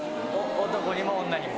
男にも女にも。